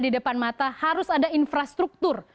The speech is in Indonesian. di depan mata harus ada infrastruktur